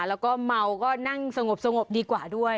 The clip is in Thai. แล้วก็เมาก็นั่งสงบดีกว่าด้วย